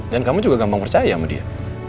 dan kamu juga gampang percaya sama dia